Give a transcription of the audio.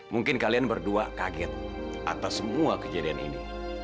mungkin kalian berdua kaget atas semua kejadian ini